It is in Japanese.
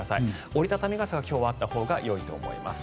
折り畳み傘が今日はあったほうがよいと思います。